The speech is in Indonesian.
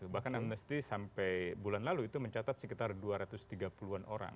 bahkan amnesty sampai bulan lalu itu mencatat sekitar dua ratus tiga puluh an orang